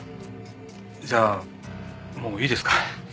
じゃあもういいですか？